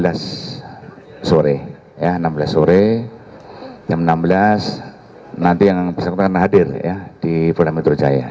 jam enam belas sore jam enam belas nanti yang bersangkutan hadir di polda metro jaya